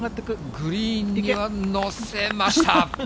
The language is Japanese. グリーンにはのせました。